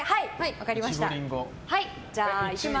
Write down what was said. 分かりました。